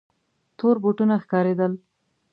تور بوټونه ښکارېدل.